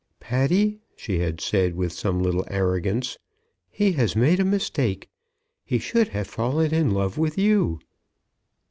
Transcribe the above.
"Patty," she had said, with some little arrogance, "he has made a mistake. He should have fallen in love with you."